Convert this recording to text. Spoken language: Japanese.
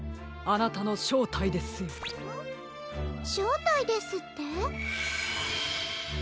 しょうたいですって？